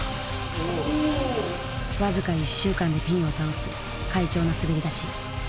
僅か１週間でピンを倒す快調な滑り出し。